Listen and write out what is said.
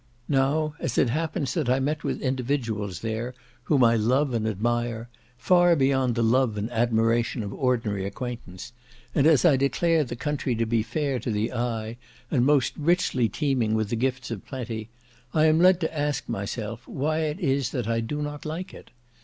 Now, as it happens that I met with individuals there whom I love and admire, far beyond the love and admiration of ordinary acquaintance, and as I declare the country to be fair to the eye, and most richly teeming with the gifts of plenty, I am led to ask myself why it is that I do not like it.